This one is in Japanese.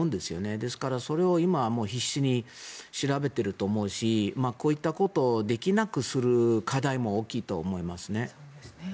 ですから、それを今必死に調べていると思うしこういったことをできなくする課題も大きいと思いますね。